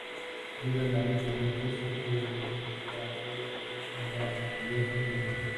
Une la avenida de Josep Tarradellas con la avenida Diagonal.